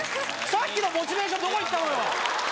さっきのモチベーション、どこいったのよ。